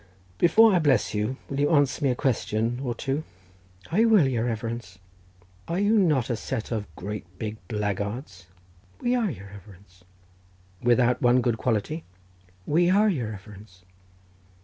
"Before I bless you, will you answer me a question or two?" "I will, your reverence." "Are you not a set of great big blackguards?" "We are, your reverence." "Without one good quality?" "We are, your reverence."